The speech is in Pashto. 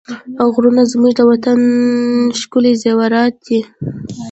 غرونه زموږ د وطن ښکلي زېورات دي.